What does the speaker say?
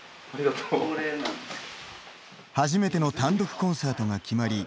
初めての単独コンサートが決まり